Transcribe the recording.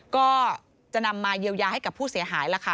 ก็จะนำมาเยียวยาให้กับผู้เสียหายแล้วค่ะ